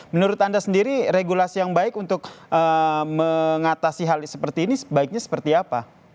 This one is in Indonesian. menurut anda sendiri regulasi yang baik untuk mengatasi hal seperti ini sebaiknya seperti apa